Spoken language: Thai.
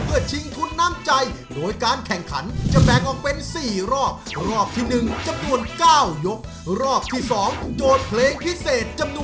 ที่การลุ่มเป็นคนที่คุณสงสัน